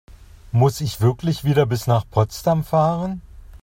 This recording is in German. Muss ich wirklich wieder bis nach Potsdam fahren?